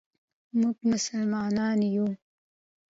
موږ یو مسلمان یو.